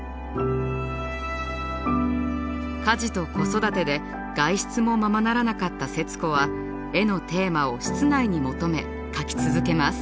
家事と子育てで外出もままならなかった節子は絵のテーマを室内に求め描き続けます。